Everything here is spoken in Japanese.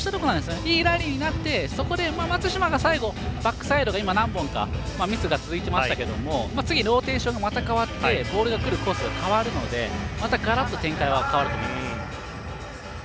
いいラリーになって、松島がバックサイドで今、何本かミスが続いてましたけど次、ローテーションがまた変わって、ボールがくるコースが変わるのでまたガラッと展開は変わると思います。